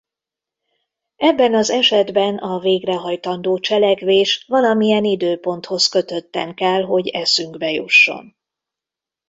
Ebben az esetben a végrehajtandó cselekvés valamilyen időponthoz kötötten kell hogy eszünkbe jusson.